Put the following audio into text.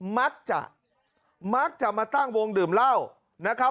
มักจะมาตั้งวงดื่มเหล้า